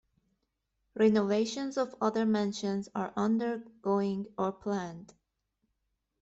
Renovations of other mansions are undergoing or planned.